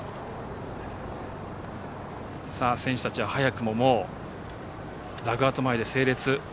選手たちは早くもダグアウト前で整列。